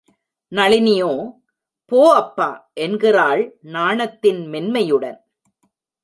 நளினியோ, போ அப்பா...! என்கிறாள் நாணத்தின் மென்மையுடன்.